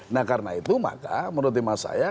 nah karena itu maka menurut emak saya